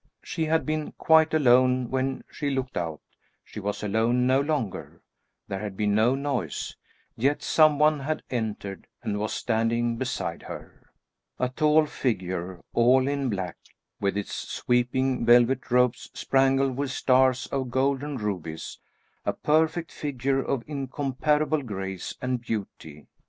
She had been quite alone when she looked out; she was alone no longer; there had been no noise, yet some one had entered, and was standing beside her. A tall figure, all in black, with its sweeping velvet robes spangled with stars of golden rubies, a perfect figure of incomparable grace and beauty.